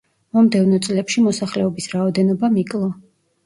მომდევნო წლებში მოსახლეობის რაოდენობამ იკლო.